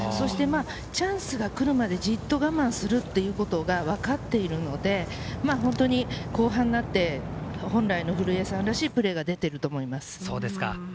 チャンスが来るまでじっと我慢するということがわかっているので、後半になって本来の古江さんらしいプレーが出ていると思います。